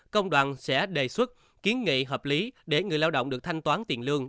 công đoàn sẽ đề xuất kiến nghị hợp lý để người lao động được thanh toán tiền lương